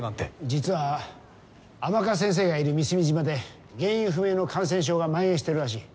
実は甘春先生がいる美澄島で原因不明の感染症がまん延してるらしい。